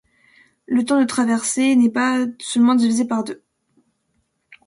Le temps de traversée n'est pas seulement divisé par deux.